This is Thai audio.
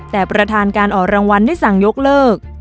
แต่ประธานการออกรางวัลได้สั่งยกเลิก